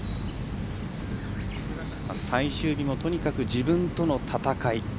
最終日もとにかく自分との闘い。